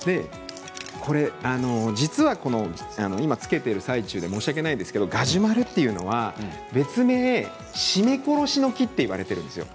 実は、この今つけている最中で申し訳ないですけどガジュマルというのは別名・絞め殺しの木といわれているんですよ。